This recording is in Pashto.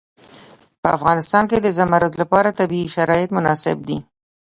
په افغانستان کې د زمرد لپاره طبیعي شرایط مناسب دي.